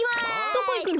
どこいくの？